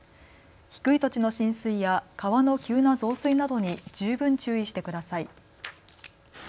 低い土地の浸水や川の急な増水などに十分注意してください。